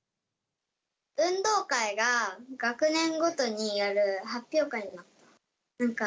運動会が学年ごとにやる発表会に。